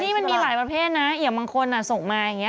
นี่มันมีหลายประเภทนะอย่างบางคนส่งมาอย่างนี้